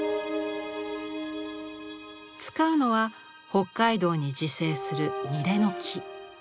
使うのは北海道に自生する楡の木。